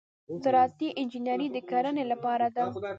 زراعتي انجنیری د کرنې لپاره ده.